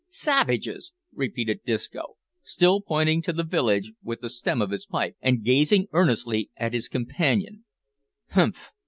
"Savages!" repeated Disco, still pointing to the village with the stem of his pipe, and gazing earnestly at his companion, "humph!"